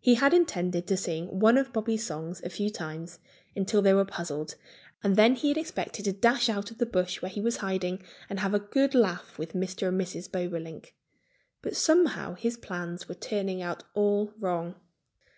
He had intended to sing one of Bobby's songs a few times, until they were puzzled; and then he had expected to dash out of the bush where he was hiding and have a good laugh with Mr. and Mrs. Bobolink. But somehow his plans were turning out all wrong.